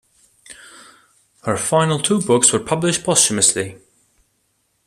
Her final two books were published posthumously.